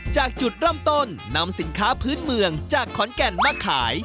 จากจุดเริ่มต้นนำสินค้าพื้นเมืองจากขอนแก่นมาขาย